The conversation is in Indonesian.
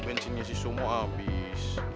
bensinnya si sumo abis